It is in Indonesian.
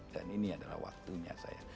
dan ini adalah waktunya saya